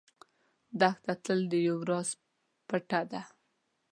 دښته تل د یو راز پټه ده.